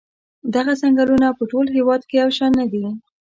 دغه څنګلونه په ټول هېواد کې یو شان نه دي.